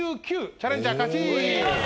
チャレンジャー勝ち！